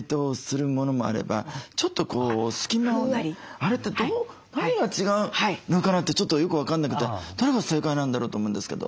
あれって何が違うのかな？ってちょっとよく分かんなくてどれが正解なんだろう？と思うんですけど。